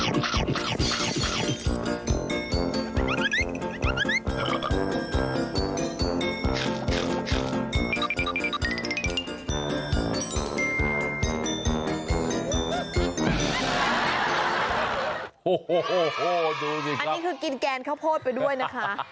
โอ้โหดูสิอันนี้คือกินแกงข้าวโพดไปด้วยนะคะ